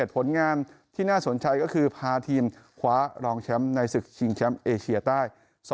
ผลงานที่น่าสนใจก็คือพาทีมคว้ารองแชมป์ในศึกชิงแชมป์เอเชียใต้